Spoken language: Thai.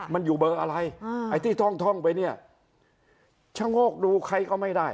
มันอยู่เบอร์อะไรอ่าไอที่ท่องท่องไปเนี้ยช้างโงกดูใครก็ไม่ได้